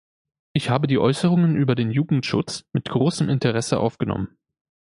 Ich habe die Äußerungen über den Jugendschutz mit großem Interesse aufgenommen.